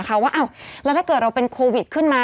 ว่าแล้วถ้าเกิดเราเป็นโควิดขึ้นมา